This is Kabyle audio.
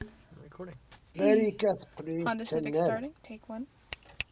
Marika teqqel ur iyi-tettamen ara.